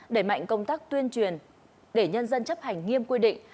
đẩy mạnh công tác tuyên truyền để nhân dân chấp hành nghiêm quy định